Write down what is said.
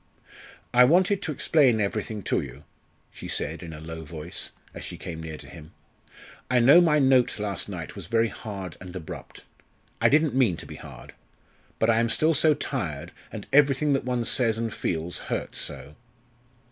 "I wanted to explain everything to you," she said in a low voice, as she came near to him. "I know my note last night was very hard and abrupt. I didn't mean to be hard. But I am still so tired and everything that one says, and feels, hurts so."